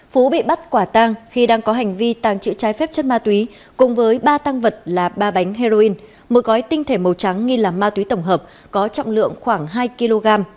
phú bị bắt quả tang khi đang có hành vi tàng trữ trái phép chất ma túy cùng với ba tăng vật là ba bánh heroin một gói tinh thể màu trắng nghi là ma túy tổng hợp có trọng lượng khoảng hai kg